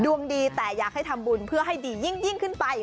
ดวงดีแต่อยากให้ทำบุญเพื่อให้ดียิ่งขึ้นไป